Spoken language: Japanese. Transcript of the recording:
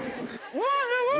うわすごい！